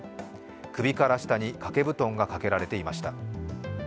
首から下に掛け布団がかけられていました。